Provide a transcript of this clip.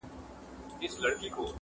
راغی جهاني خدای او اولس لره منظور مشر -